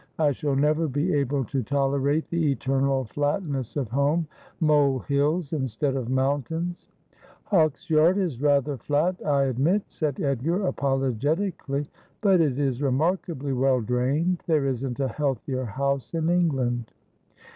I shall never be able to tolerate the eternal flatness of home — mole hills instead of mountains.' ' Hawksyard is rather flat, I admit,' said Edgar, apologetic ally ;' but it is remarkably well drained. There isn't a healthier house in England.'